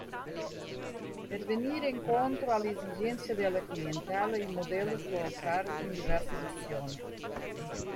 Per venire incontro alle esigenze della clientela, il modello fu offerto in diverse versioni.